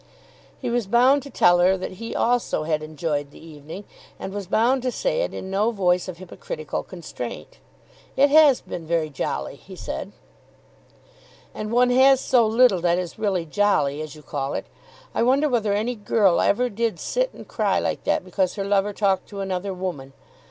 He was bound to tell her that he also had enjoyed the evening, and was bound to say it in no voice of hypocritical constraint. "It has been very jolly," he said. "And one has so little that is really jolly, as you call it. I wonder whether any girl ever did sit and cry like that because her lover talked to another woman.